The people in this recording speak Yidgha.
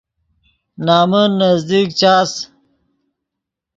نمن نزدیک چاس